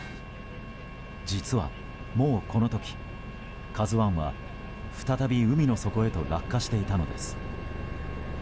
実は、もうこの時「ＫＡＺＵ１」は再び海の底へと落下していたのです。